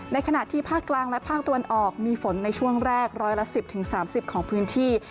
ในขณะที่ภาคกลางและภาคตัวนออกมีฝนในช่วงแรกรอยละสิบถึงสามสิบของพื้นที่